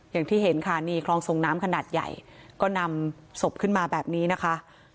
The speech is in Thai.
อย่างที่เห็นค่ะนี่คลองส่งน้ำขนาดใหญ่ก็นำศพขึ้นมาแบบนี้นะคะ